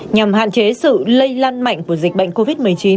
nhằm hạn chế sự lây lan mạnh của dịch bệnh covid một mươi chín